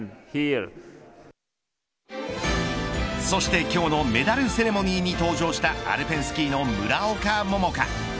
そして今日のメダルセレモニーに登場したアルペンスキーの村岡桃佳。